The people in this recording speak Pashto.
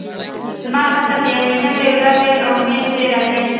لمر ختل د یوې نوې ورځې او امید زیری دی.